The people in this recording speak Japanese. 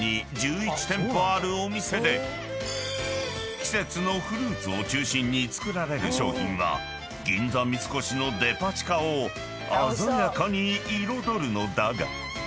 ［季節のフルーツを中心に作られる商品は銀座三越のデパ地下を鮮やかに彩るのだが］